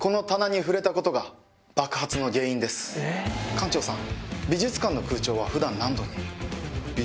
館長さん。